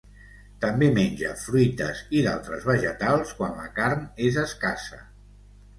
També menja fruites i d'altres vegetals quan la carn és escassa.